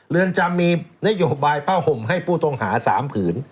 เรือนจำมีนโยบายผ้าห่มให้ผู้ต้องหา๓ผืน